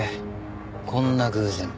こんな偶然が。